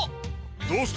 どうした！？